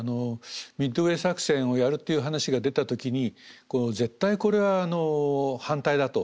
ミッドウェー作戦をやるっていう話が出た時に絶対これは反対だと。